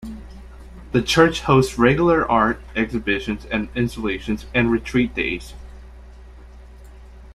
The church hosts regular art exhibitions and installations, and retreat days.